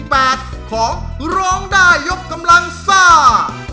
ต่อไปยกที่๘ของร้องได้ยกกำลังซ่า